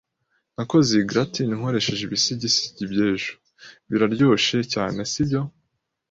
Nakoze iyi gratin nkoresheje ibisigisigi by'ejo. Biraryoshe cyane, sibyo?